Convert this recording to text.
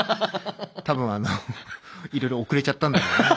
多分あのいろいろ遅れちゃったんだろうね。